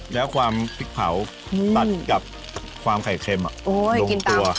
แล้วความพริกเผาตัดกับความไข่เค็มลงตัว